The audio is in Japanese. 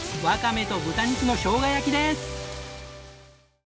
ワカメと豚肉のしょうが焼きです。